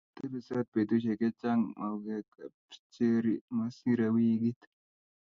motebisot betusiek chechang mauekak Cherry, mosiirei wikit